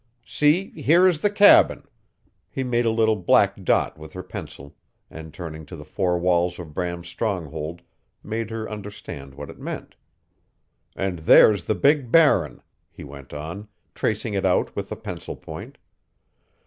"See, here is the cabin." He made a little black dot with her pencil, and turning to the four walls of Bram's stronghold made her understand what it meant. "And there's the big Barren," he went on, tracing it out with the pencil point.